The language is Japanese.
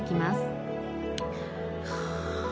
はあ。